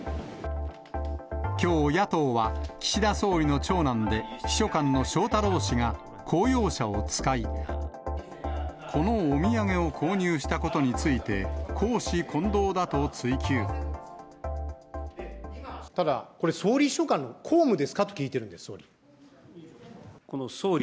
きょう野党は、岸田総理の長男で、秘書官の翔太郎氏が、公用車を使い、このお土産を購入したことについて、ただ、これ、総理秘書官の公務ですかと聞いてるんですよ、総理。